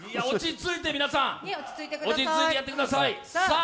落ち着いて皆さん、落ち着いてやってください。